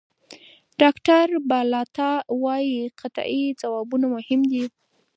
ډاکټر بالاتا وايي قطعي ځوابونه مهم دي.